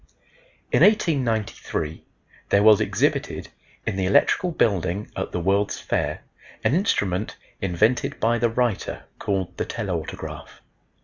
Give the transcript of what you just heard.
In 1893 there was exhibited in the electrical building at the World's Fair an instrument invented by the writer called the Telautograph.